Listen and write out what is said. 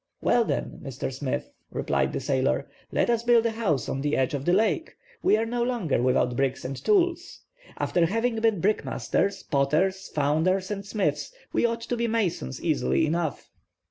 "Well, then, Mr. Smith," replied the sailor, "let us build a house on the edge of the lake. We are no longer without bricks and tools. After having been brickmakers, potters, founders, and smiths, we ought to be masons easily enough."